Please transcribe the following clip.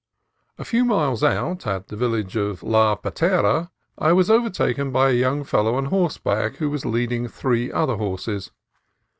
A few miles out, at the village of La Patera, I was overtaken by a young fellow on horseback who was leading three other horses.